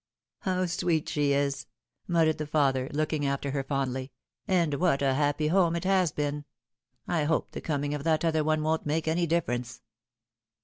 " How sweet she is !" muttered the father, looking after her fondly ;" and what a happy home it has been ! I hope the coming of that other one won't make any difference."